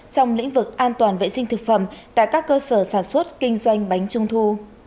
trong lĩnh vực an toàn vệ sinh thực phẩm tại các cơ sở sản xuất kinh doanh bánh trung thu